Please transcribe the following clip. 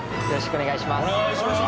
お願いします。